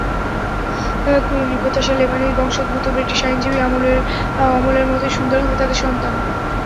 ক্লুনির প্রত্যাশা, লেবানিজ বংশোদ্ভূত ব্রিটিশ আইনজীবী অমলের মতোই সুন্দর হবে তাঁদের সন্তান।